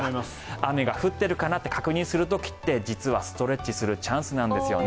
雨が降っているかなって確認する時って実はストレッチするチャンスなんですよね。